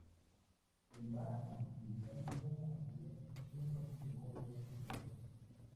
Él va a explicar cómo mantener un matrimonio exitoso.